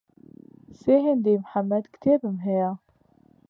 سێ هێندەی محەمەد کتێبم هەیە.